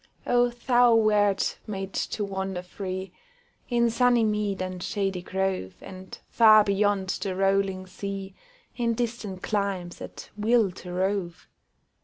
Oh, thou wert made to wander free In sunny mead and shady grove, And far beyond the rolling sea, In distant climes, at will to rove!